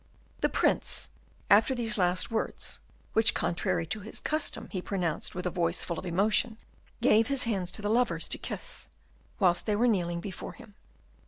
The Prince, after these last words, which contrary to his custom, he pronounced with a voice full of emotion, gave his hands to the lovers to kiss, whilst they were kneeling before him.